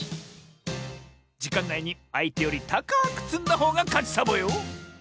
じかんないにあいてよりたかくつんだほうがかちサボよ！